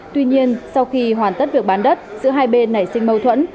tuy nhiên sau khi hoàn tất việc bán đất giữa hai bên nảy sinh mâu thuẫn